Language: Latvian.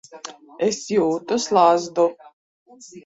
Es jūtu slazdu.